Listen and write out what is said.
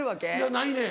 ないねん。